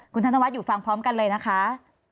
คุณธนวัฒน์อยู่ฟังพร้อมกันเลยนะคะ